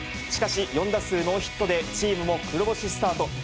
しかし、４打数ノーヒットでチームも黒星スタート。